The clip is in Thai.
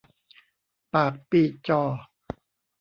ปากปีจอ